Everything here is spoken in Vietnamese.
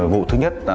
vụ thứ nhất